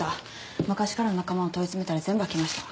昔からの仲間を問い詰めたら全部吐きました。